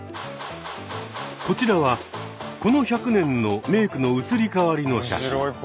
こちらはこの１００年のメークの移り変わりの写真。